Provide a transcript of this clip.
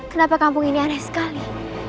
kenapa kampung ini aneh sekali